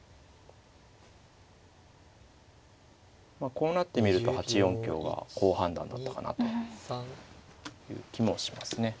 こうなってみると８四香が好判断だったかなという気もしますね。